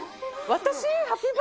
私？